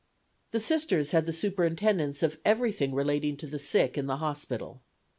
The Sisters had the superintendence of everything relating to the sick in the hospital.